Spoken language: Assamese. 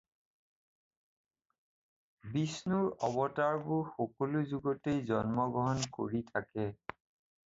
বিষ্ণুৰ অৱতাৰবোৰ সকলো যুগতেই জন্মগ্ৰহণ কৰি থাকে।